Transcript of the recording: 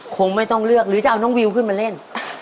คงไม่ต้องเลือกหรือจะเอาน้องวิวขึ้นมาเล่น